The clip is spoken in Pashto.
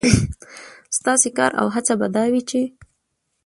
ستاسې کار او هڅه به دا وي، چې